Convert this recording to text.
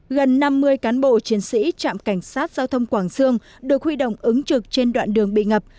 gần năm mươi cán bộ chiến sĩ trạm cảnh sát giao thông quảng sương được huy động ứng trực trên đoạn đường bị ngập